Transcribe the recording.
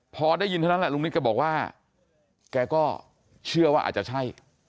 พอได้ยินแล้วลุงนิดก็บอกว่าแกก็เชื่อว่าอาจจะใช่